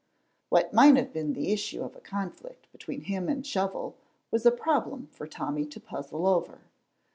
What might have been the issue of a conflict between him and Shovel was a problem for Tommy to puzzle over.